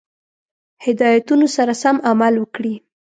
هدایتونو سره سم عمل وکړي.